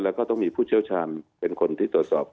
แล้วก็ต้องมีผู้เชี่ยวชาญเป็นคนที่ตรวจสอบ